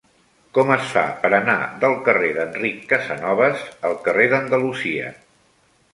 Com es fa per anar del carrer d'Enric Casanovas al carrer d'Andalusia?